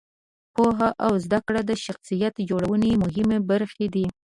پوهه او زده کړه د شخصیت جوړونې مهمې برخې دي.